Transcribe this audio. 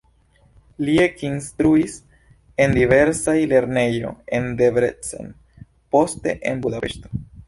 Li ekinstruis en diversaj lernejoj en Debrecen, poste en Budapeŝto.